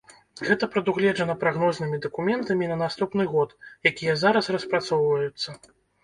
Гэта прадугледжана прагнознымі дакументамі на наступны год, якія зараз распрацоўваюцца.